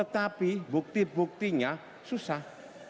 dan itu buktinya susah